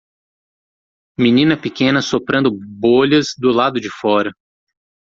Menina pequena soprando bolhas do lado de fora.